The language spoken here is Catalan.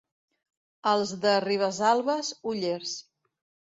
Els de Ribesalbes, ollers.